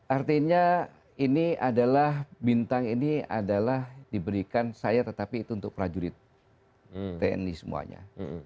artinya bintang ini diberikan saya tetapi itu untuk prajurit tni semuanya